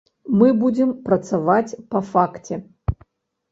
Мы будзем працаваць па факце.